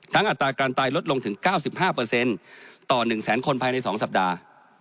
อัตราการตายลดลงถึง๙๕ต่อ๑แสนคนภายใน๒สัปดาห์